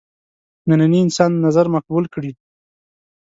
ننني انسان نظر مقبول کړي.